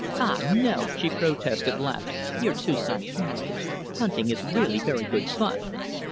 "Ah, no," she protested, laughing. "You're too sarcastic. Punting is really very good fun."